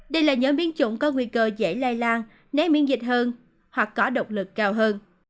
đây là những biến chủng có nguy cơ dễ lây lan nếu miễn dịch hơn hoặc có độc lực cao hơn